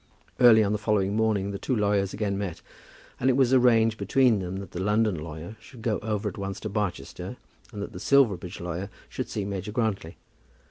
Early on the following morning the two lawyers again met, and it was arranged between them that the London lawyer should go over at once to Barchester, and that the Silverbridge lawyer should see Major Grantly.